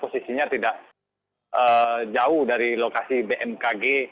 posisinya tidak jauh dari lokasi bmkg